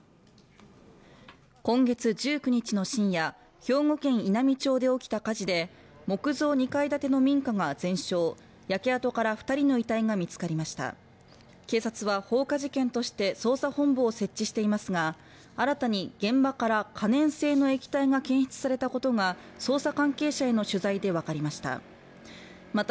今月１９日の深夜、兵庫県稲美町で起きた火事で木造２階建ての民家が全焼焼け跡から二人の遺体が見つかりました警察は放火事件として捜査本部を設置していますが新たに現場から可燃性の液体が検出されたことが捜査関係者への取材で分かりました